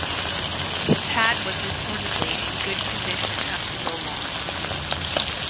The pad was reportedly in good condition after the launch.